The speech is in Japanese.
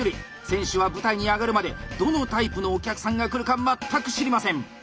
選手は舞台に上がるまでどのタイプのお客さんが来るか全く知りません。